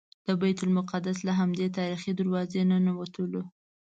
د بیت المقدس له همدې تاریخي دروازې ننوتلو.